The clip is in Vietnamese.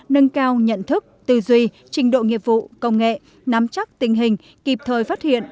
nâng cao nhận thức tư duy trình độ nghiệp vụ công nghệ nắm chắc tình hình kịp thời phát hiện